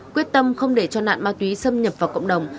quyết tâm không để cho nạn ma túy xâm nhập vào cộng đồng